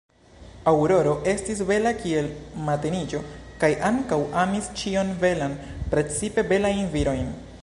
Aŭroro estis bela kiel mateniĝo kaj ankaŭ amis ĉion belan, precipe belajn virojn.